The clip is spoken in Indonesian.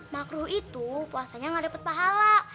makruh itu puasanya gak dapat pahala